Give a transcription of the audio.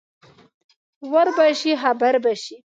ور به شې خبر به شې